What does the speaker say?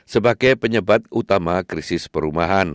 sebagai penyebab utama krisis perumahan